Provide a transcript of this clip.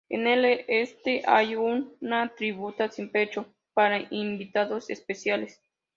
En el este hay una tribuna sin techo para invitados especiales.